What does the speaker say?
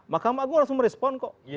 mahkamah gue langsung merespon kok